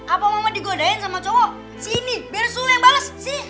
apa mama digodain sama cowok sini biar semua yang bales